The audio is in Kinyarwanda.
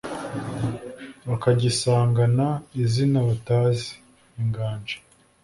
bakagisangana izina batazi. inganji